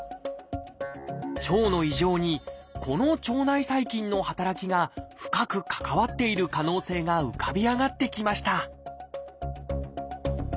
腸の異常にこの腸内細菌の働きが深く関わっている可能性が浮かび上がってきました